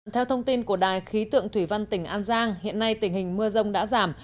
theo thông tin của đài khí tượng thủy văn tỉnh an giang hiện nay tình hình mưa rông đã giảm